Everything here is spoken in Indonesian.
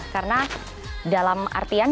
karena dalam artian